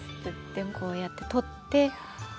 こうやって取って。